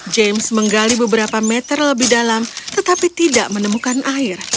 james menggali beberapa meter lebih dalam tetapi tidak menemukan air